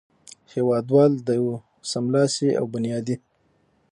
هېوادوال د یوه سملاسي او بنیادي